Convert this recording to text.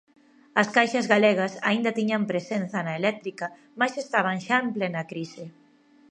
As caixas galegas aínda tiñan presenza na eléctrica mais estaban xa en plena crise.